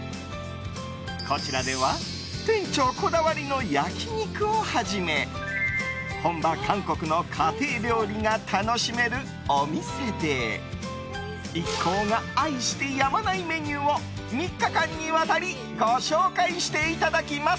こちらでは店長こだわりの焼き肉をはじめ本場韓国の家庭料理が楽しめるお店で一行が愛してやまないメニューを３日間にわたりご紹介していただきます。